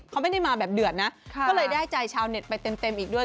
เขาไม่ได้มาแบบเดือดนะก็เลยได้ใจชาวเน็ตไปเต็มอีกด้วย